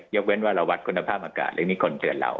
ยกเว้นว่าเราวัดคุณภาพอากาศมีคนเสืริญเรา